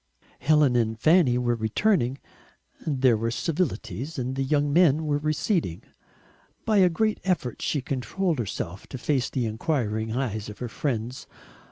Helen and Fanny were returning, there were civilities, and the young men were receding. By a great effort she controlled herself to face the enquiring eyes of her friends.